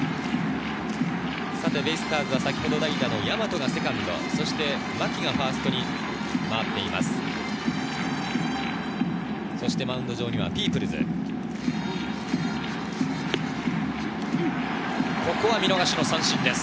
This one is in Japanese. ベイスターズは先ほど代打の大和がセカンド、牧がファーストに回っています。